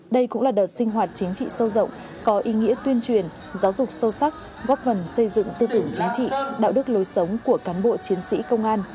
đây cũng là đợt sinh hoạt chính trị sâu rộng có ý nghĩa tuyên truyền giáo dục sâu sắc góp phần xây dựng tư tưởng chính trị đạo đức lối sống của cán bộ chiến sĩ công an